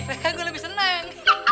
faham gua lebih seneng